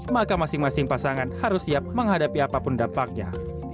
maka masing masing pasangan harus siap menghadapi apapun dampaknya